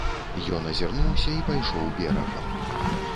Ён азірнуўся і пайшоў берагам.